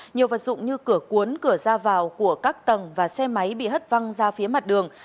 nhiều vật dụng như cửa cuốn cửa ra vào của các tầng và xe máy bị hất văng ra phía mặt đường